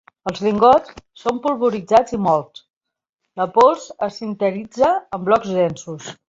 Els lingots són polvoritzats i mòlts; la pols es sinteritza en blocs densos.